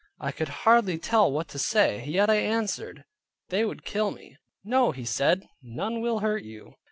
I could hardly tell what to say: Yet I answered, they would kill me. "No," said he, "none will hurt you."